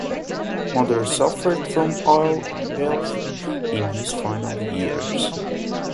Mather suffered from ill health in his final years.